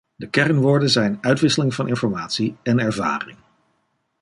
De kernwoorden zijn uitwisseling van informatie en ervaring.